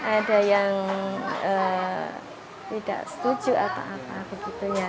ada yang tidak setuju atau apa begitunya